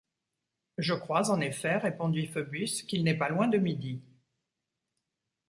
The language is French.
Je crois en effet, répondit Phœbus, qu’il n’est pas loin de midi.